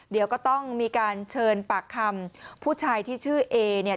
เดี๋ยวก็ต้องมีการเชิญปากคำผู้ชายที่ชื่อเอเนี่ย